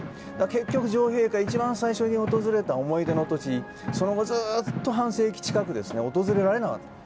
結局、女王陛下が一番最初に訪れた思い出の地その後、ずっと半世紀近く訪れられなかった。